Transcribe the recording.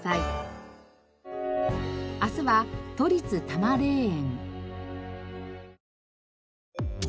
明日は都立多磨霊園。